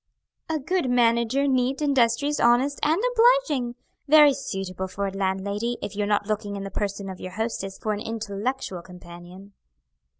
"A good manager, neat, industrious, honest, and obliging. Very suitable for a landlady, if you are not looking in the person of your hostess for an intellectual companion."